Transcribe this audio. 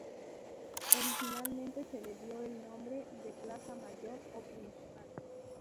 Originalmente se le dio el nombre de "Plaza Mayor" o "Principal".